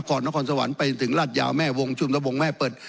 นครสวรรค์ไปถึงราชยาวแม่วงชุมระวงแม่เปิด